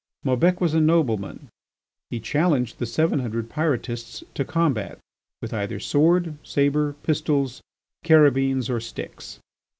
Maubec was a nobleman; he challenged the seven hundred Pyrotists to combat with either sword, sabre, pistols, carabines, or sticks.